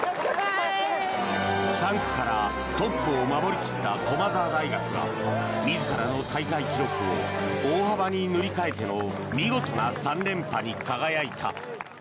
３区からトップを守り切った駒澤大学が自らの大会記録を大幅に塗り替えての見事な３連覇に輝いた。